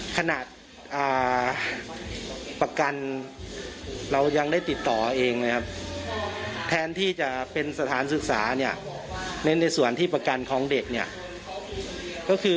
ขนาดประกันเรายังได้ติดต่อเองแทนที่จะเป็นสถานศึกษาในส่วนที่ประกันของเด็ก